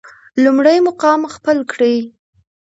لومړی مقام خپل کړي.